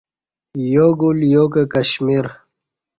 یا گُل یا کہ کشمیر